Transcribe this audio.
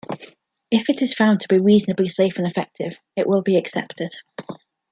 If it is found to be reasonably safe and effective, it will be accepted.